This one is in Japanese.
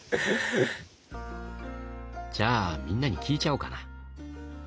じゃあみんなに聞いちゃおうかな。